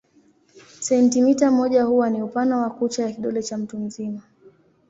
Sentimita moja huwa ni upana wa kucha ya kidole cha mtu mzima.